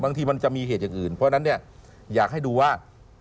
บางทีมันจะมีเหตุอย่างอื่นเพราะฉะนั้นเนี่ยอยากให้ดูว่า